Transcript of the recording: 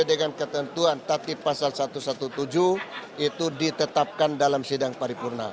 dengan ketentuan tatib pasal satu ratus tujuh belas itu ditetapkan dalam sidang paripurna